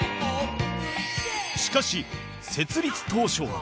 しかし設立当初は